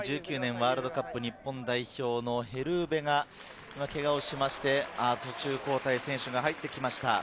ワールドカップ日本代表のヘル・ウヴェが、けがをして、途中交代、選手が入ってきました。